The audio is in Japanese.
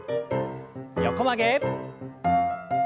横曲げ。